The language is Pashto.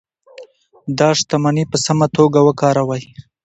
دا شتمني په سمه توګه وکاروئ.